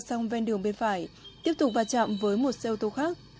xe ô tô lao xong ven đường bên phải tiếp tục va chạm với một xe ô tô khác